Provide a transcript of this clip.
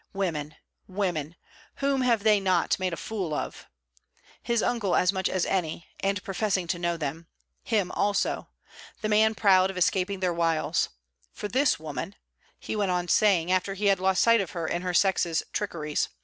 Women! women! Whom have they not made a fool of! His uncle as much as any and professing to know them. Him also! the man proud of escaping their wiles. 'For this woman...!' he went on saying after he had lost sight of her in her sex's trickeries.